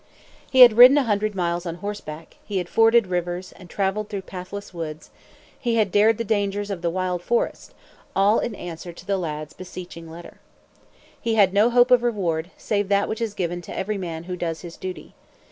He had ridden a hundred miles on horseback; he had forded rivers, and traveled through pathless woods; he had dared the dangers of the wild forest: all in answer to the lad's beseeching letter. He had no hope of reward, save that which is given to every man who does his duty.